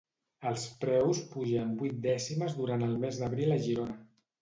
Els preus pugen vuit dècimes durant el mes d'abril a Girona.